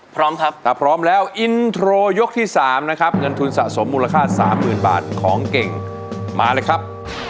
พร้อมครับถ้าพร้อมแล้วอินโทรยกที่๓นะครับเงินทุนสะสมมูลค่าสามหมื่นบาทของเก่งมาเลยครับ